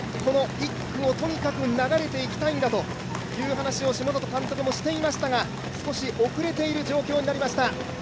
１区をとにかく流れていきたいんだという話を下里監督もしていましたが、少し遅れている状況になりました。